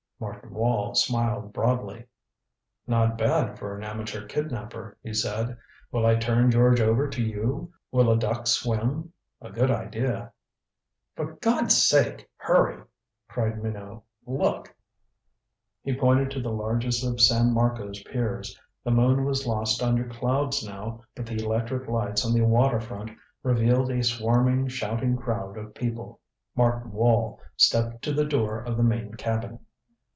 Martin Wall smiled broadly. "Not bad for an amateur kidnaper," he said. "Will I turn George over to you? Will a duck swim? A good idea." "For God's sake, hurry!" cried Minot. "Look!" He pointed to the largest of San Marco's piers. The moon was lost under clouds now, but the electric lights on the water front revealed a swarming shouting crowd of people. Martin Wall stepped to the door of the main cabin.